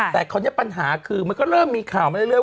แต่คราวนี้ปัญหาคือมันก็เริ่มมีข่าวมาเรื่อย